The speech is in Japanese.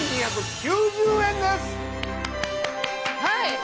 はい！